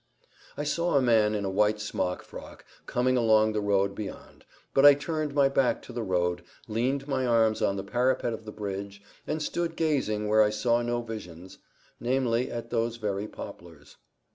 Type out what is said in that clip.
I saw a man in a white smock frock coming along the road beyond, but I turned my back to the road, leaned my arms on the parapet of the bridge, and stood gazing where I saw no visions, namely, at those very poplars.